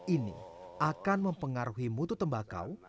ini akan mempengaruhi mutu tembakau